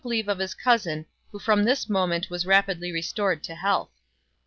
1 09 leave of his cousin, who from this moment was rapidly restored to health.